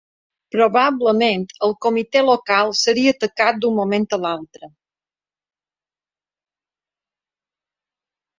Probablement el Comitè Local seria atacat d'un moment a l'altre